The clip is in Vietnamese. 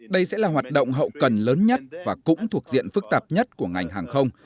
đây sẽ là hoạt động hậu cần lớn nhất và cũng thuộc diện phức tạp nhất của ngành hàng không